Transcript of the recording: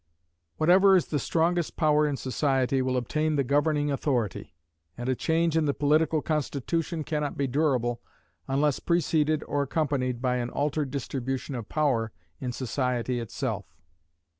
Whatever is the strongest power in society will obtain the governing authority; and a change in the political constitution can not be durable unless preceded or accompanied by an altered distribution of power in society itself.